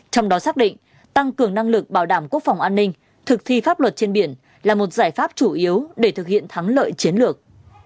trong đó xác định tăng cường năng lực bảo đảm quốc phòng an ninh thực thi pháp luật trên biển là một giải pháp chủ yếu để thực hiện thắng lợi chiến lược